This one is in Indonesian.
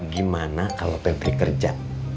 gimana kalau febri kerja